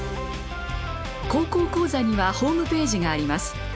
「高校講座」にはホームページがあります。